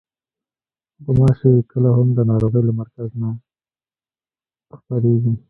غوماشې کله هم د ناروغۍ له مرکز نه خپرېږي.